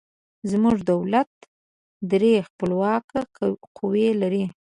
زموږ دولت درې خپلواکه قوې لري.